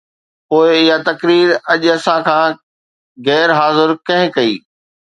پوءِ اها تقرير اڄ اسان کان غير حاضر ڪنهن ڪئي؟